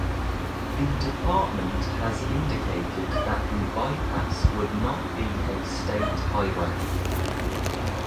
The department has indicated that the bypass would not be a state highway.